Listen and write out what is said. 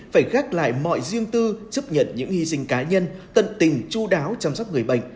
phải gác lại mọi riêng tư chấp nhận những hy sinh cá nhân tận tình chú đáo chăm sóc người bệnh